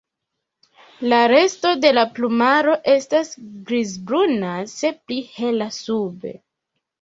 La resto de la plumaro estas grizbruna, se pli hela sube.